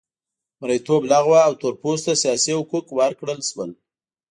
مریتوب لغوه او تور پوستو ته سیاسي حقوق ورکړل شول.